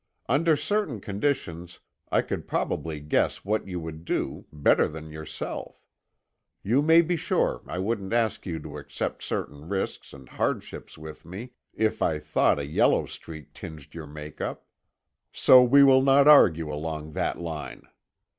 Under certain conditions I could probably guess what you would do, better than yourself. You may be sure I wouldn't ask you to accept certain risks and hardships with me if I thought a yellow streak tinged your make up. So we will not argue along that line.